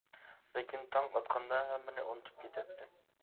لېكىن تاڭ ئاتقاندا ھەممىنى ئۇنتۇپ كېتەتتى.